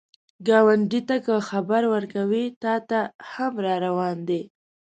ګاونډي ته که خیر ورکوې، تا ته هم راروان دی